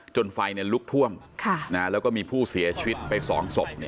ไฟลุกท่วมแล้วก็มีผู้เสียชีวิตไป๒ศพ